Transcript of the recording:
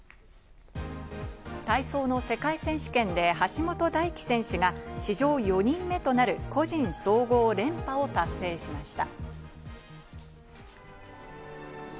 体操の世界選手権で橋本大輝選手が史上４人目となる個人総合連覇を達成しました。